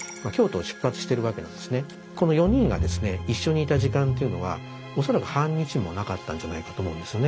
一緒にいた時間というのは恐らく半日もなかったんじゃないかと思うんですよね。